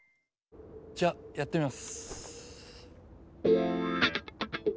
じゃやってみます。